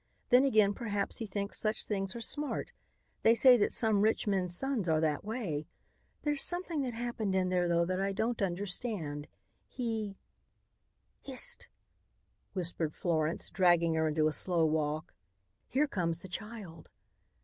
Then, again, perhaps, he thinks such things are smart. They say that some rich men's sons are that way. There's something that happened in there though that I don't understand. He " "Hist," whispered Florence, dragging her into a slow walk; "here comes the child."